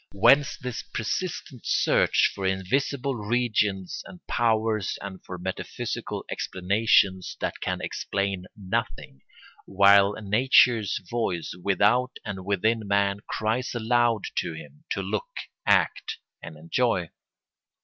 Whence this persistent search for invisible regions and powers and for metaphysical explanations that can explain nothing, while nature's voice without and within man cries aloud to him to look, act, and enjoy?